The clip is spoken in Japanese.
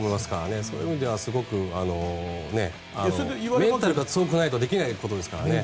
そういう意味ではすごくメンタルが強くないとできないことですからね。